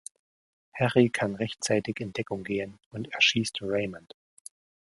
Harry kann rechtzeitig in Deckung gehen und erschießt Raymond.